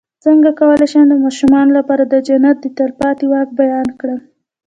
څنګه کولی شم د ماشومانو لپاره د جنت د تل پاتې واک بیان کړم